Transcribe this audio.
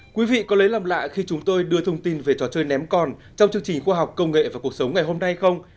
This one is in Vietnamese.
quý vị có lấy làm lạ khi chúng tôi đưa thông tin về trò chơi ném còn trong chương trình khoa học công nghệ và cuộc sống ngày hôm nay không